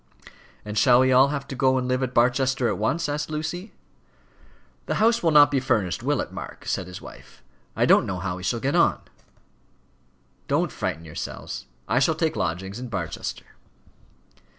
"And shall we all have to go and live at Barchester at once?" asked Lucy. "The house will not be furnished, will it, Mark?" said his wife. "I don't know how we shall get on." "Don't frighten yourselves. I shall take lodgings in Barchester."